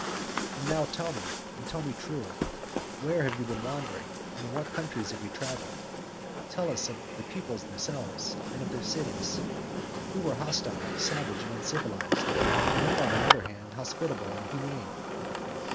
"And now, tell me and tell me true. Where have you been wandering, and in what countries have you travelled? Tell us of the peoples themselves, and of their cities—who were hostile, savage and uncivilised, and who, on the other hand, hospitable and humane.